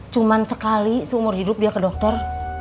cuma sekali seumur hidup dia ke dokter